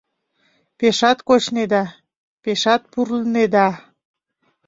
Пешат кочнеда, пешат пурлнеда